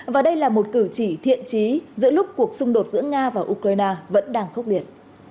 và đây là một cử chỉ thiện trí giữa lúc cuộc xung đột giữa nga và ukraine vẫn đang khốc liệt